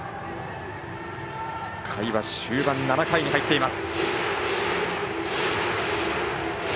終盤７回に入っています。